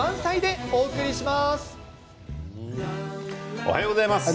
おはようございます。